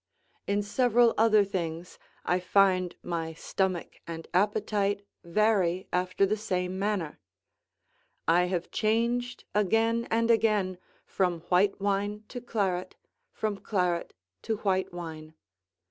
In several other things, I find my stomach and appetite vary after the same manner; I have changed again and again from white wine to claret, from claret to white wine.